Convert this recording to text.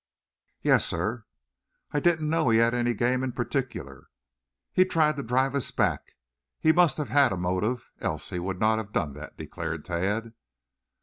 "Yes, sir." "I didn't know he had any game in particular." "He tried to drive us back. He must have had a motive else he would not have done that," declared Tad.